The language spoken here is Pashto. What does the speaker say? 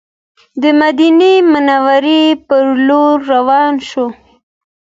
د مدینې منورې پر لور روان شوو.